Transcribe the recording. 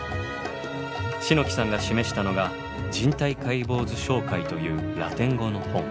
篠木さんが示したのが「人体解剖図詳解」というラテン語の本。